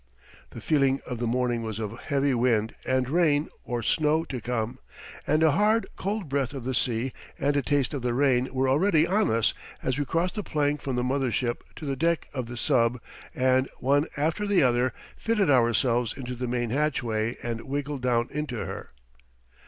The feeling of the morning was of heavy wind and rain or snow to come; and a hard, cold breath of the sea and a taste of the rain were already on us as we crossed the plank from the mother ship to the deck of the "sub" and, one after the other, fitted ourselves into the main hatchway and wiggled down into her.